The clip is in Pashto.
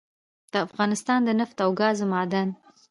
دافغانستان دنفت او ګازو معادن